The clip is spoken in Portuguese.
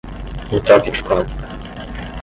Um toque de cólica.